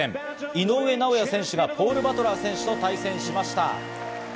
井上尚弥選手がポール・バトラー選手と対戦しました。